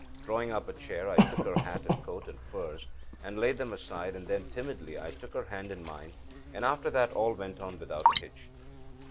Drawing up a chair, I took her hat and coat and furs, and laid them aside. And then, timidly, I took her hand in mine; after that all went on without a hitch.